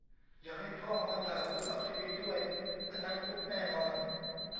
อย่าให้พ่อมาด่าคนออกทีวีด้วย อันนั้นคุกแน่นอน